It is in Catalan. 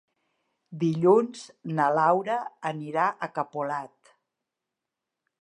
Dilluns na Laura anirà a Capolat.